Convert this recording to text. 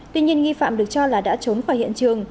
tuy nhiên nghi phạm được cho là đã trốn khỏi hiện trường